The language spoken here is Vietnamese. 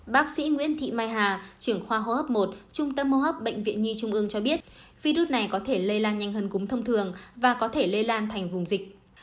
bác sĩ nguyễn thị mai hà trưởng khoa hô hấp một trung tâm hô hấp bệnh viện nhi trung ương cho biết virus này có thể lây lan nhanh hơn cúm thông thường và có thể lây lan thành vùng dịch